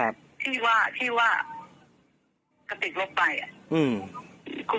แม่ได้เอาโทรศัพท์ไปให้กับอเทรยะเนี่ยจริงไหมแม่